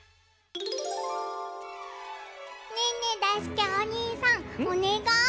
ねえねえだいすけおにいさんおねがい。